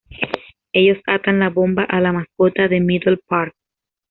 Ellos atan la bomba a la mascota de Middle Park.